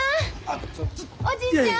おじいちゃん！